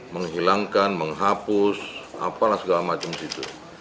menghilangkan menghapus apalah segala macam gitu